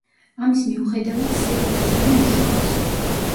ამის მიუხედავად, სეიდ აზიმი მუშაობს.